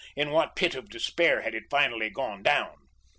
In what pit of despair had it finally gone down?